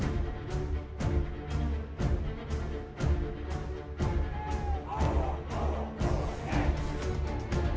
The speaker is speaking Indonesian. kami juga mempersiapkan latihan m satu dan m dua untuk menang